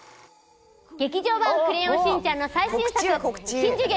劇場版『クレヨンしんちゃん』の最新作『しん次元！